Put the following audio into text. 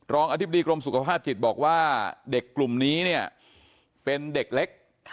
อธิบดีกรมสุขภาพจิตบอกว่าเด็กกลุ่มนี้เนี่ยเป็นเด็กเล็ก